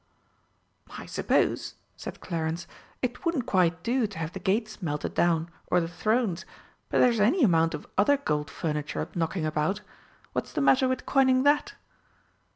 "I suppose," said Clarence, "it wouldn't quite do to have the gates melted down, or the thrones; but there's any amount of other gold furniture knocking about what's the matter with coining that?"